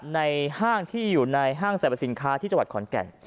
ห้างที่อยู่ในห้างสรรพสินค้าที่จังหวัดขอนแก่น